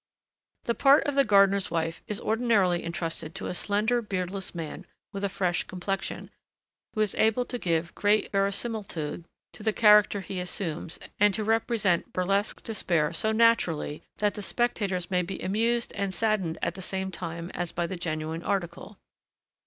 The part of the gardener's wife is ordinarily entrusted to a slender, beardless man with a fresh complexion, who is able to give great verisimilitude to the character he assumes and to represent burlesque despair so naturally that the spectators may be amused and saddened at the same time as by the genuine article.